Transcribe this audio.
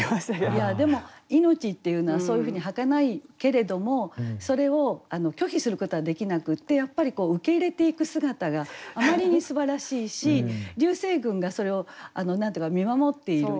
いやでも命っていうのはそういうふうにはかないけれどもそれを拒否することはできなくってやっぱり受け入れていく姿があまりにすばらしいし流星群がそれを何て言うか見守っている。